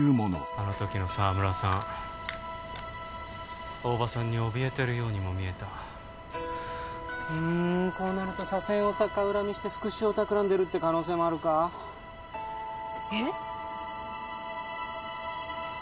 あの時の沢村さん大庭さんにおびえてるようにも見えたうんこうなると左遷を逆恨みして復讐を企んでるって可能性もあるかえっ？